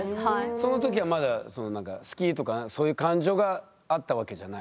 その時はまだ好きとかそういう感情があったわけじゃない。